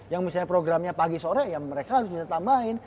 yang misalnya programnya pagi sore ya mereka harus bisa tambahin